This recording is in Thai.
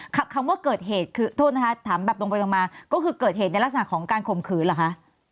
คำว่าเกิดเหตุคือโทษนะคะถามแบบตรงไปตรงมาก็คือเกิดเหตุในลักษณะของการข่มขืนเหรอคะ